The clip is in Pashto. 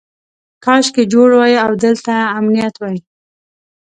کاشکې جوړ وای او دلته امنیت وای.